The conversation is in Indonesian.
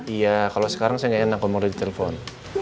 iya kalau sekarang saya gak enak ngomong di telepon